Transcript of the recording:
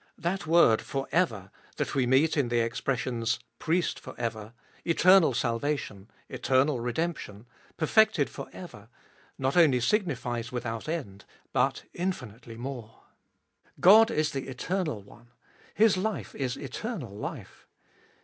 That word for ever, that we meet in the expressions, Priest for ever, eternal salvation, eternal redemption, perfected for ever, not only signifies without end, but infinitely more. God is the Eternal One; His life is eternal life.